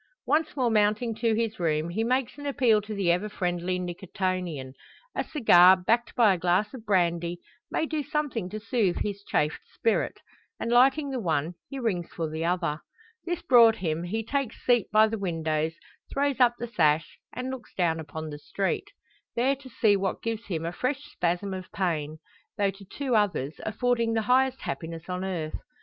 Once more mounting to his room, he makes an appeal to the ever friendly Nicotian. A cigar, backed by a glass of brandy, may do something to soothe his chafed spirit; and lighting the one, he rings for the other. This brought him, he takes seat by the window, throws up the sash, and looks down upon the street. There to see what gives him a fresh spasm of pain; though to two others, affording the highest happiness on earth.